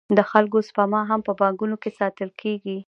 د خلکو سپما هم په بانکونو کې ساتل کېږي